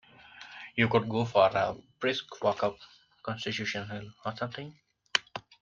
You could go for a brisk walk up Constitution Hill or something.